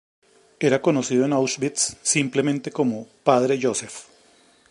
Era conocido en Auschwitz simplemente como "Padre Józef".